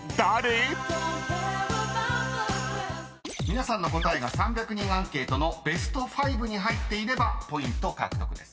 ［皆さんの答えが３００人アンケートのベスト５に入っていればポイント獲得です］